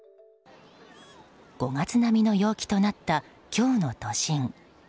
５月並みの陽気となった今日の都心。